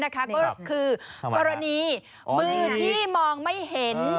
ก็คือกรณีมือที่มองไม่เห็น